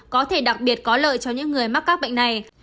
có thể đặc biệt có lợi cho những người mắc các bệnh này